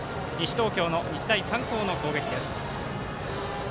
東京の日大三高の攻撃。